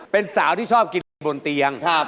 เป็นสาวที่ชอบกินเห็ดบนเตียง